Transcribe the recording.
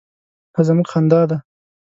_دا زموږ خندا ده.